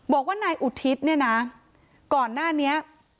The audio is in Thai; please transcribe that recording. บอกว่านายอุทิศเนี่ยนะก่อนหน้านี้